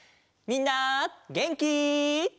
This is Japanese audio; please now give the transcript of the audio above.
みんなげんき？